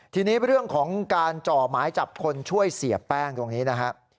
ทีนี้เรื่องของการจ่อหมายจับคนช่วยเสียแป้งตรงนี้นะครับ